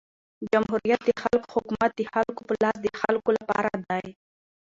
جمهوریت د خلکو حکومت د خلکو په لاس د خلکو له پاره دئ.